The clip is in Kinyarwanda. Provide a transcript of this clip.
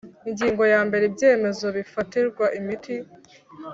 Ingingo yambere Ibyemezo bifatirwa imiti